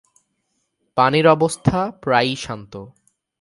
পানির অবস্থা প্রায়ই শান্ত।